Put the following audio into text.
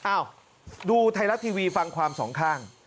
อ้าวดูไทยรัฐทีวีฟังความสองข้าง